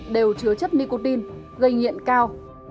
đều chứa chất nicotin gây nhiện cao